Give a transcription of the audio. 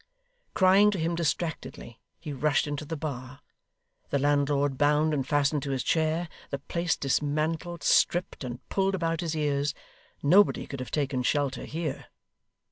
Crying to him distractedly, he rushed into the bar. The landlord bound and fastened to his chair; the place dismantled, stripped, and pulled about his ears; nobody could have taken shelter here.